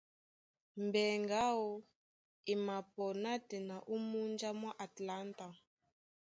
Mbɛŋgɛ aó e mapɔ nátɛna ó múnja mwá Atlanta.